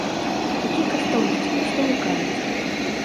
Якія каштоўнасці, пра што вы кажаце!